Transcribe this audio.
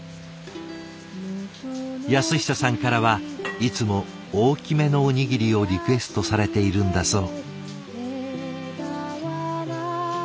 安久さんからはいつも大きめのおにぎりをリクエストされているんだそう。